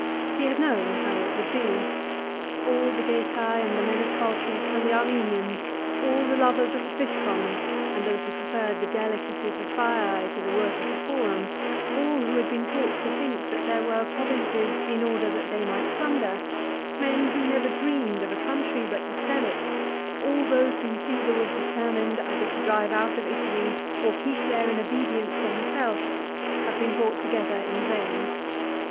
He had known how it would be. All the Getae and the men of Colchis and the Armenians, all the lovers of the fishponds and those who preferred the delicacies of Baise to the work of the Forum, all who had been taught to think that there were provinces in order that they might plunder, men who never dreamed of a country but to sell it, all those whom Caesar was determined either to drive out of Italy or keep there in obedience to himself, had been brought together in vain.